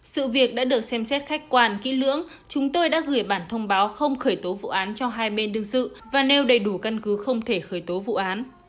sự việc đã được xem xét khách quan kỹ lưỡng chúng tôi đã gửi bản thông báo không khởi tố vụ án cho hai bên đương sự và nêu đầy đủ căn cứ không thể khởi tố vụ án